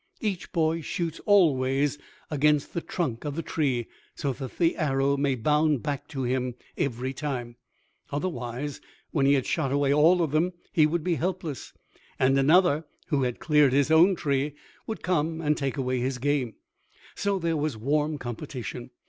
Each boy shoots always against the trunk of the tree, so that the arrow may bound back to him every time; otherwise, when he had shot away all of them, he would be helpless, and another, who had cleared his own tree, would come and take away his game, so there was warm competition.